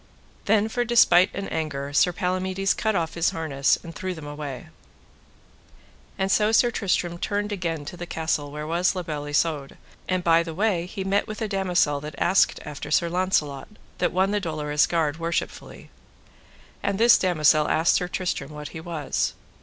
Then for despite and anger Sir Palamides cut off his harness, and threw them away. And so Sir Tristram turned again to the castle where was La Beale Isoud; and by the way he met with a damosel that asked after Sir Launcelot, that won the Dolorous Guard worshipfully; and this damosel asked Sir Tristram what he was.